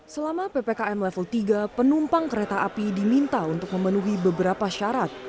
selama ppkm level tiga penumpang kereta api diminta untuk memenuhi beberapa syarat